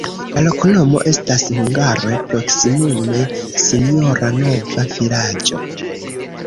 La loknomo estas hungare proksimume: sinjora-nova-vilaĝo.